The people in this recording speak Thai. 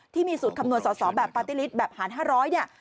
ที่มีสูตรคำนวณสอสอแบบปาร์ตี้ลิตแบบหาร๕๐๐เนี่ย